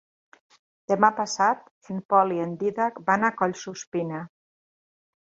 Demà passat en Pol i en Dídac van a Collsuspina.